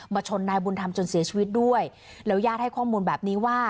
ชนนายบุญธรรมจนเสียชีวิตด้วยแล้วญาติให้ข้อมูลแบบนี้ว่า